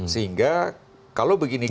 sehingga kalau begini